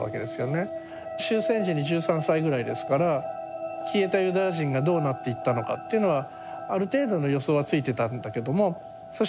終戦時に１３歳ぐらいですから消えたユダヤ人がどうなっていったのかっていうのはある程度の予想はついていたんだけどもそ